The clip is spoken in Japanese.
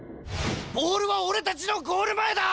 ボールは俺たちのゴール前だ！